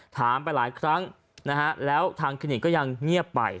ถามไปหลายครั้งนะฮะแล้วทางคลินิกก็ยังเงียบไป